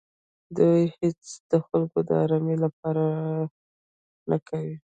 دوی هېڅې د خلکو د ارامۍ لپاره نه کوي.